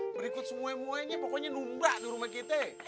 berikut semuanya muanya pokoknya numbra di rumah kita